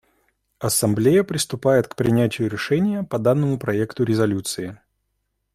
Ассамблея приступает к принятию решения по данному проекту резолюции.